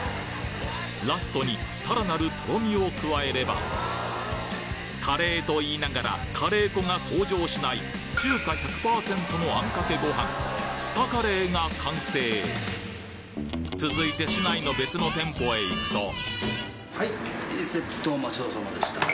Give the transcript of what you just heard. ラストにさらなるとろみを加えればカレーと言いながらカレー粉が登場しない中華１００％のあんかけご飯スタカレーが完成続いて市内の別の店舗へ行くとはいお待ちどおさまでした。